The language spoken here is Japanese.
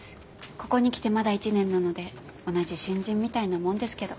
ここに来てまだ１年なので同じ新人みたいなもんですけど。